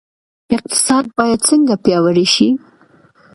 اقتصاد باید څنګه پیاوړی شي؟